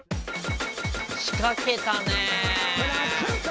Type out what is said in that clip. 仕掛けたね！